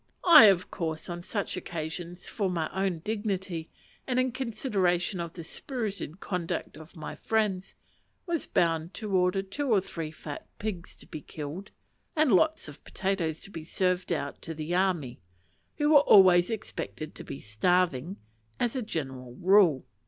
I, of course, on such occasions, for my own dignity, and in consideration of the spirited conduct of my friends, was bound to order two or three fat pigs to be killed, and lots of potatoes to be served out to the "army;" who were always expected to be starving, as a general rule.